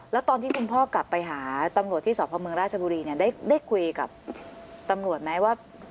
แล้วตอนที่คุณพ่อกลับไปหาตำรวจที่สพเมืองราชบุรีเนี่ยได้คุยกับตำรวจไหมว่า